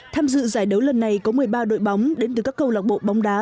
tham dự giải đấu lần này có một mươi ba đội bóng đến từ các câu lạc bộ bóng đá